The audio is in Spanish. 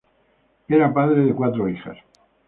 Era padre de cuatro hijas.